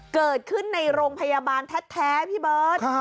เกิดขึ้นในโรงพยาบาลแท้พี่เบิร์ต